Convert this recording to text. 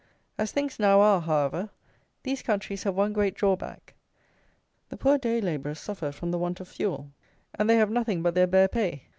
As things now are, however, these countries have one great drawback: the poor day labourers suffer from the want of fuel, and they have nothing but their bare pay.